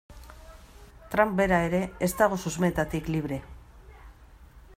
Trump bera ere ez dago susmoetatik libre.